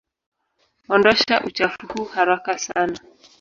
Ondosha uchafu huu haraka sana.